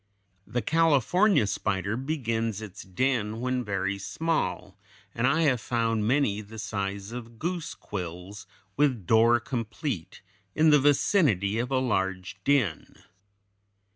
The California spider begins its den when very small, and I have found many the size of goose quills, with door complete, in the vicinity of a large den.